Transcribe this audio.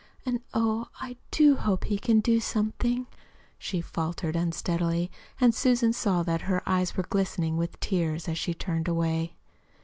And oh, I do hope he can do something," she faltered unsteadily. And Susan saw that her eyes were glistening with tears as she turned away.